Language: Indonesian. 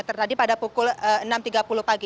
tadi pada pukul enam tiga puluh pagi